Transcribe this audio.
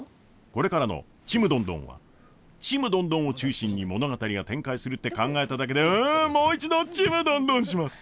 これからの「ちむどんどん」はちむどんどんを中心に物語が展開するって考えただけでうんもう一度ちむどんどんします！